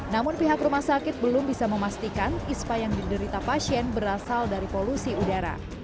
namun pihak rumah sakit belum bisa memastikan ispa yang diderita pasien berasal dari polusi udara